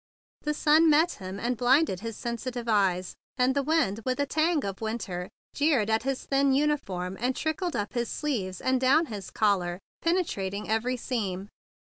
The sun met him, and blinded his sensitive eyes; and the wind with a tang of winter jeered at his thin uniform, and trickled up his sleeves and down his collar, penetrating every seam.